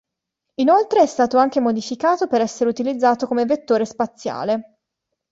Inoltre, è stato anche modificato per essere utilizzato come vettore spaziale.